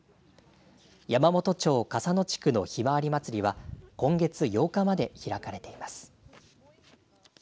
山元町笠野地区のひまわり祭りは今月８日まで開かれています。